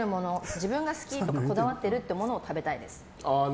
自分が好き、こだわってるものを食べたいです。